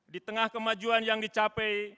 di tengah kemajuan yang dicapai